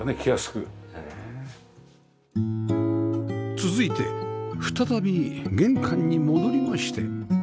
続いて再び玄関に戻りまして